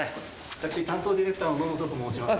私担当ディレクターのノモトと申します